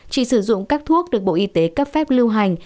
chỉ sử dụng các thuốc được bộ y tế cấp phép lưu hành